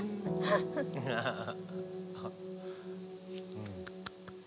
うん。